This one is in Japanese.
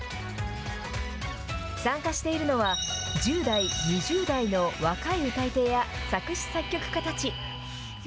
参加しているのは、１０代、２０代の若い歌い手や作詞作曲家たち。